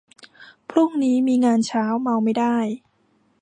พรุ่งนี้มีงานเช้า เมาไม่ได้